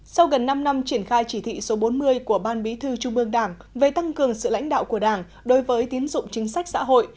sau gần năm năm triển khai chỉ thị số bốn mươi của ban bí thư trung ương đảng về tăng cường sự lãnh đạo của đảng đối với tiến dụng chính sách xã hội